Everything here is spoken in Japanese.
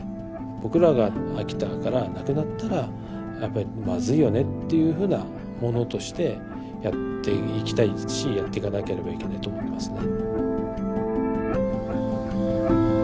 僕らが秋田からなくなったらやっぱりまずいよねっていうふうなものとしてやっていきたいですしやっていかなければいけないと思いますね。